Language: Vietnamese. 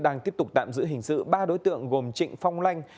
đang tiếp tục tạm giữ hình sự ba đối tượng gồm trịnh phong lanh